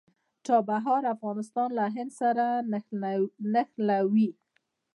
چابهار افغانستان له هند سره نښلوي